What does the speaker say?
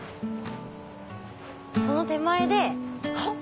その手前でおっ！